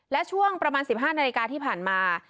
และช่วงประมาณ๑๕นาฬิกาที่ผ่านมา